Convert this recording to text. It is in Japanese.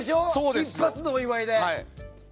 一発のお祝いで。